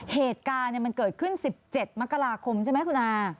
เหตุการณ์มันเกิดขึ้น๑๗มกราคมใช่ไหมคุณอา